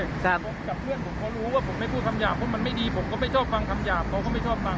แต่กับเพื่อนผมเขารู้ว่าผมไม่พูดคำหยาบเพราะมันไม่ดีผมก็ไม่ชอบฟังคำหยาบเขาก็ไม่ชอบฟัง